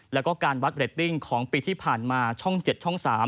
แล้วก็การวัดเรตติ้งของปีที่ผ่านมาช่อง๗ช่อง๓